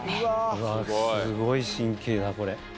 うわっすごい神経だこれ。